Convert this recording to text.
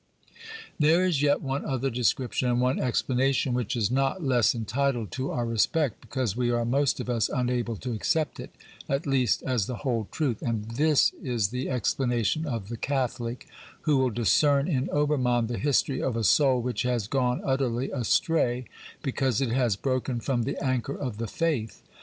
There is yet one other description and one explanation which is not less entitled to our respect because we are most of us unable to accept it, at least as the whole truth, and this is the explanation of the Catholic, who will discern in Obermann the history of a soul which has gone utterly astray because it has broken from the anchor of the faith.